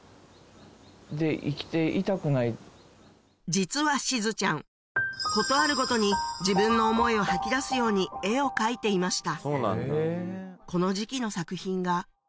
実はしずちゃん事あるごとに自分の思いを吐き出すように絵を描いていました